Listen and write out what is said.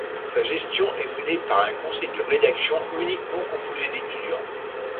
Sa gestion est menée par un Conseil de Rédaction uniquement composé d’étudiants.